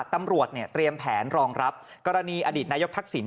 ตำรวจเนี่ยเตรียมแผนรองรับกรณีอดีตนายกทักษิณ